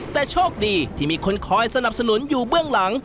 แต่โชคดีที่มีคนคอยสนับสนุนอยู่เบื้องหลัง